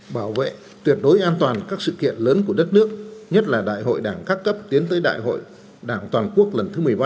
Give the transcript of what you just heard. bảo vệ tuyệt đối an toàn các sự kiện lớn của đất nước nhất là đại hội đảng các cấp tiến tới đại hội đảng toàn quốc lần thứ một mươi ba